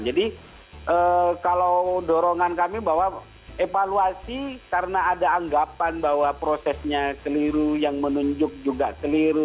jadi kalau dorongan kami bahwa evaluasi karena ada anggapan bahwa prosesnya keliru yang menunjuk juga keliru